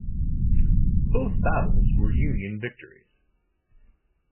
Both battles were Union victories.